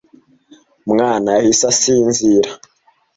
mwana yahise asinzira.